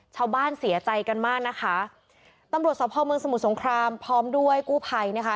ชาวบ้านเสียใจกันมากนะคะตำรวจสภเมืองสมุทรสงครามพร้อมด้วยกู้ภัยนะคะ